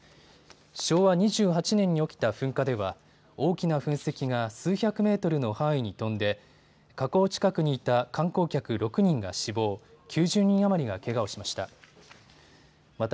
昭和２８年に起きた噴火では大きな噴石が数百メートルの範囲に飛んで火口近くにいた観光客６人が死亡、９０人余りがけがをしました。